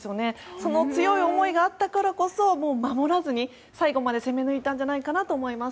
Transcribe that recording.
その強い思いがあったからこそ守らずに最後まで攻め抜いたんじゃないかと思います。